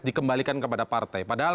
dikembalikan kepada partai padahal